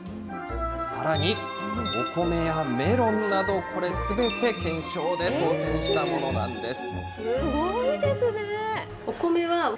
さらに、お米やメロンなど、これすべて、懸賞で当せんしたものなんです。